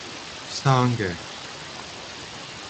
胜嘅